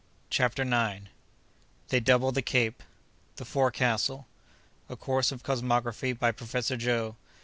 CHAPTER NINTH. They double the Cape.—The Forecastle.—A Course of Cosmography by Professor Joe.